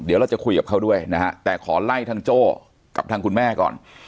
เดี๋ยวเราจะคุยกับเขาด้วยนะฮะแต่ขอไล่ทางโจ้กับทางคุณแม่ก่อน